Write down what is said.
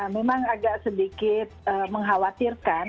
memang agak sedikit mengkhawatirkan